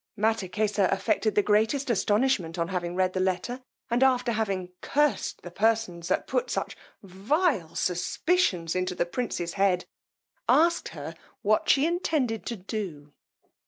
Mattakesa affected the greatest astonishment on having read this letter; and after having cursed the persons that put such vile suspicions into the prince's head, asked her what she intended to do.